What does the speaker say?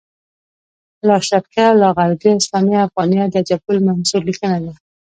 لاشرقیه لاغربیه اسلامیه افغانیه د عجب ګل منصور لیکنه ده